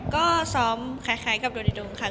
ก็ซ้อมคล้ายกับโดดิโดงค่ะ